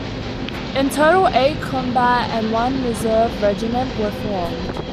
In total eight combat and one reserve regiment were formed.